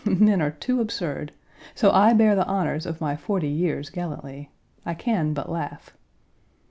Men are too absurd! So I bear the honors of my forty years gallantly. I can but laugh.